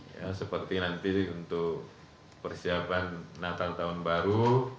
ya seperti nanti untuk persiapan natal tahun baru